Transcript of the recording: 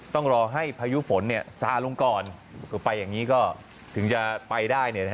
ต้องรอให้พายุฝนซาลงก่อนคือไปอย่างนี้ก็ถึงจะไปได้